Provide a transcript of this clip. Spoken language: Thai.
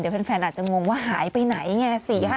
เดี๋ยวเพลินแฟนอาจจะงงว่าหายไปไหนไง